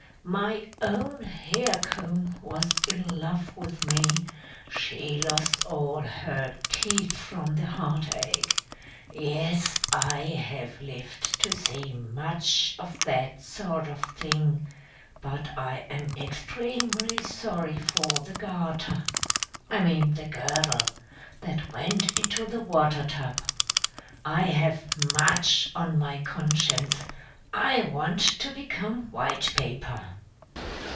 My own hair comb was in love with me, she lost all her teeth from the heart ache; yes, I have lived to see much of that sort of thing; but I am extremely sorry for the garter I mean the girdle that went into the water tub. I have much on my conscience, I want to become white paper!"